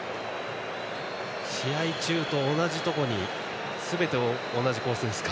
試合中と同じところにすべて同じコースですか。